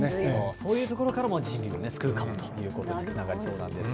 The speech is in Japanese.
そういうところからも人類を救うかもしれないというところにつながるそうなんです。